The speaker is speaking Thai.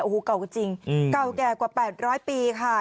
โอ้โหเก่าจริงเก่าแก่กว่า๘๐๐ปีค่ะ